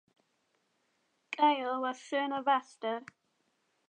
Kehl was soon arrested.